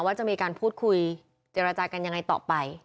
ว่าจะมีการพูดคุยเจรจากันยังไงต่อไป